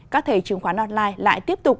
các thầy chứng khoán online lại tiếp tục